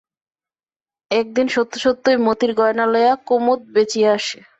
একদিন সত্য সত্যই মতির গহনা লইয়া কুমুদ বেচিয়া আসে।